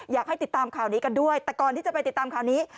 อยากให้ติดตามข่าวนี้กันด้วยแต่ก่อนที่จะไปติดตามข่าวนี้